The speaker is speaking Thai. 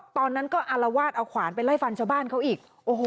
ตอนนั้นก็อารวาสเอาขวานไปไล่ฟันชาวบ้านเขาอีก